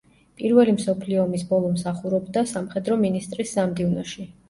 პირველი მსოფლიო ომის ბოლო მსახურობდა სამხედრო მინისტრის სამდივნოში.